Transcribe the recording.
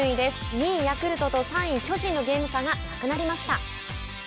２位ヤクルトと３位巨人のゲーム差がなくなりました。